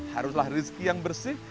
haruslah rizki yang bersih